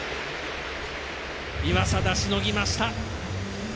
岩貞、しのぎました。